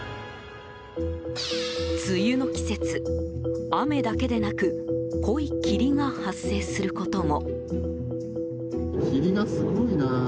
梅雨の季節、雨だけでなく濃い霧が発生することも。